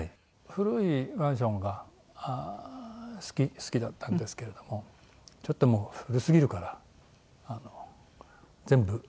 古いマンションが好きだったんですけれどもちょっともう古すぎるから全部リフォームしようと思って。